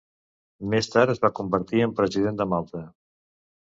Més tard es va convertir en President de Malta.